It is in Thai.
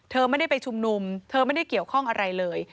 เธอไม่ได้ไปชุมนุมเธอไม่ได้เกี่ยวข้องอะไรเลย